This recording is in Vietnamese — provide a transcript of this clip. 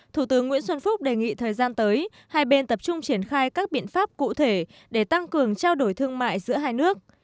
thủ tướng nguyễn xuân phúc đề nghị thời gian tới hai bên tập trung triển khai các biện pháp cụ thể để tăng cường trao đổi thương mại giữa hai nước